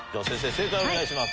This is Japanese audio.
正解をお願いします。